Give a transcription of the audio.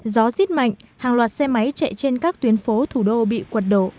gió rất mạnh hàng loạt xe máy chạy trên các tuyến phố thủ đô bị quật đổ